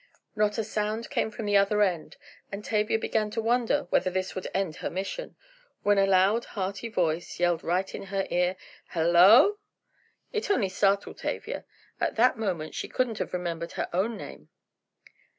Not a sound came from the other end and Tavia began to wonder whether this would end her mission, when a loud, hearty voice yelled right in her ear: "Hello o o!" It only startled Tavia. At that moment she couldn't have remembered her own name.